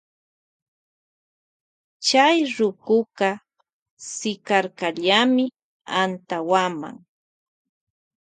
Chay rukuka sikarkallami antawama.